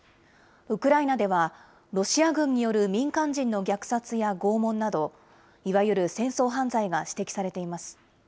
ウクライナではロシア軍による民間人の虐殺や拷問など、いわゆる戦争犯罪が指摘されています。